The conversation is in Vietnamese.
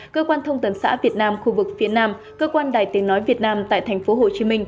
cơ quan thông tấn xã việt nam khu vực phía nam cơ quan đài tiếng nói việt nam tại tp hcm